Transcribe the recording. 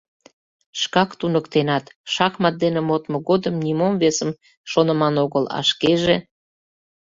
— Шкак туныктенат: шахмат дене модмо годым нимом весым шоныман огыл, а шкеже...